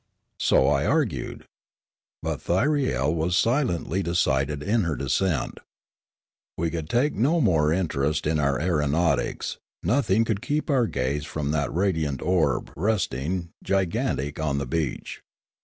So I argued. But Thyriel was silently decided in her dissent. We could take no more interest in our aeronautics, nothing could keep our gaze from that radiant orb resting, gigantic, on the beach.